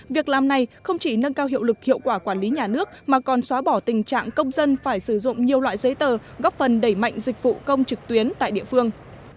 việc làm này không chỉ nâng cao hiệu lực hiệu quả quản lý nhà nước mà còn xóa bỏ tình trạng công dân phải sử dụng nhiều loại giấy tờ góp phần đẩy mạnh dịch vụ công trực tuyến tại địa phương